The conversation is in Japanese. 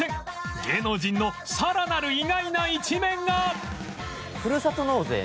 芸能人のさらなる意外な一面が